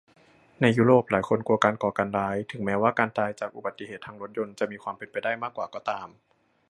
ในยุโรป หลายคนกลัวการก่อการร้าย ถึงแม้ว่าการตายจากอุบัติเหตุทางรถยนต์จะมีความเป็นไปได้มากกว่าก็ตาม